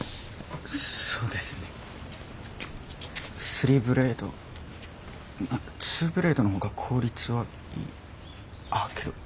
３ブレード２ブレードの方が効率はいいあっけど。